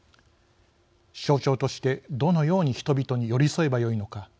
象徴として、どのように人々に寄り添えばよいのか。